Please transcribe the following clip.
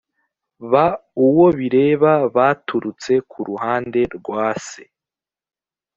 b uwo bireba baturutse ku ruhande rwa se